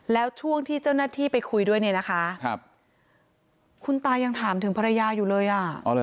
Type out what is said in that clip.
แล้วช่วงที่เจ้าหน้าที่ไปคุยด้วยเนี่ยนะคะคุณตายังถามถึงภรรยาอยู่เลยอ่ะ